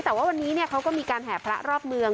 แต่ว่าวันนี้เขาก็มีการแห่พระรอบเมือง